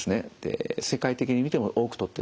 世界的に見ても多くとってます。